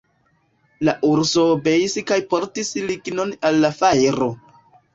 La urso obeis kaj portis lignon al la fajro.